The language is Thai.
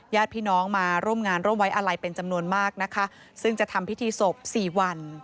ญาติพี่น้องมาร่วมงานร่วมไว้อาลัยเป็นจำนวนมากนะคะซึ่งจะทำพิธีศพสี่วัน